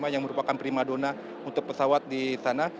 yang merupakan prima dona untuk pesawat di sana